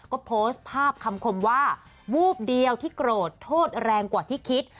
ก็โพสต์ภาพคำคมว่าวูบเดียวที่โกรธโทษแรงกว่าที่คิด